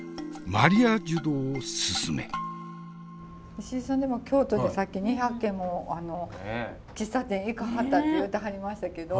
石井さんでも京都でさっき２００軒も喫茶店行かはったって言うてはりましたけど。